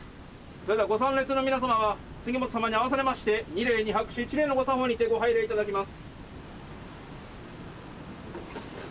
それではご参列の皆様は杉本様に合わされまして二礼二拍手一礼の御作法にてご拝礼頂きます。